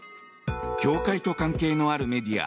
教会と関係のあるメディア